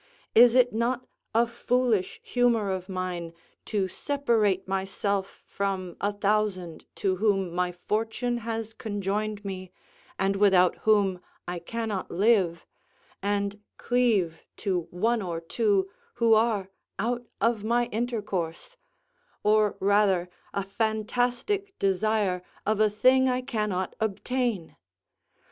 Is it not a foolish humour of mine to separate myself from a thousand to whom my fortune has conjoined me, and without whom I cannot live, and cleave to one or two who are out of my intercourse; or rather a fantastic desire of a thing I cannot obtain?